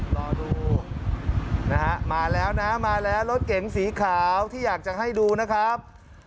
รอดูนะฮะมาแล้วนะมาแล้วรถเก๋งสีขาวที่อยากจะให้ดูนะครับ